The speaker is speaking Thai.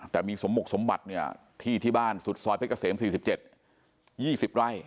แต่มีสมบุกสมบัติที่ที่บ้านสุดซอยเพชรเกษม๔๗๒๐ไร่